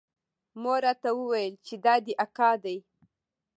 مور راته وويل چې دا دې اکا دى.